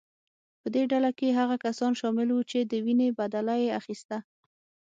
په دې ډله کې هغه کسان شامل وو چې د وینې بدله یې اخیسته.